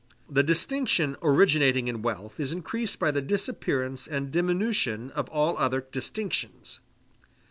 The distinction originating in wealth is increased by the disappearance and diminution of all other distinctions.